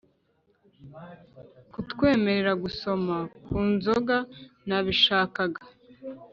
kutwemerera gusoma ku nzoga nabishakaga